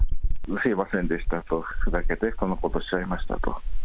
すみませんでしたと、ふざけてこんなことしちゃいましたと。